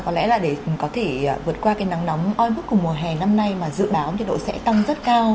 có lẽ là để có thể vượt qua nắng nóng oi mức cùng mùa hè năm nay mà dự báo độ sẽ tăng rất cao